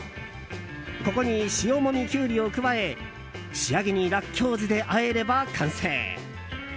ここに塩もみキュウリを加え仕上げにラッキョウ酢であえれば完成。